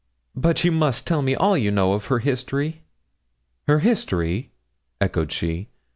'But you must tell me all you know of her history.' 'Her history?' echoed she.